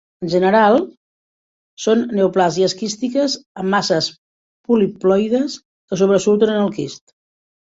En general, són neoplàsies quístiques amb masses poliploides que sobresurten en el quist.